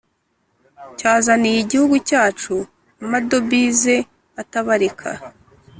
Cyazaniye igihugu cyacu amadobize atabarika